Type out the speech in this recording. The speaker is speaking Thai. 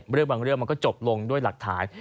เรื่องบางเรื่องมันก็จบลงด้วยหลักฐาน